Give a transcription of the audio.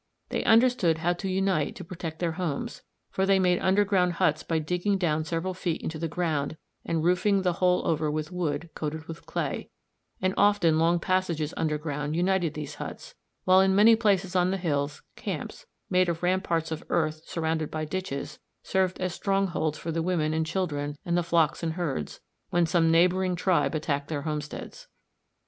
They understood how to unite to protect their homes, for they made underground huts by digging down several feet into the ground and roofing the hole over with wood coated with clay; and often long passages underground united these huts, while in many places on the hills, camps, made of ramparts of earth surrounded by ditches, served as strongholds for the women and children and the flocks and herds, when some neighbouring tribe attacked their homesteads.